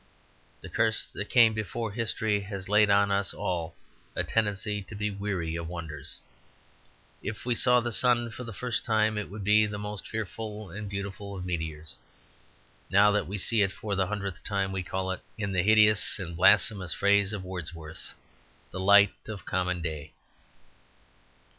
The curse that came before history has laid on us all a tendency to be weary of wonders. If we saw the sun for the first time it would be the most fearful and beautiful of meteors. Now that we see it for the hundredth time we call it, in the hideous and blasphemous phrase of Wordsworth, "the light of common day."